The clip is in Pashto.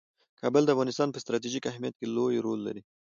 کابل د افغانستان په ستراتیژیک اهمیت کې لوی رول لري.